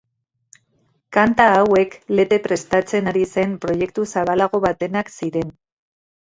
Kanta hauek Lete prestatzen ari zen proiektu zabalago batenak ziren.